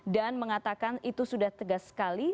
dan mengatakan itu sudah tegas sekali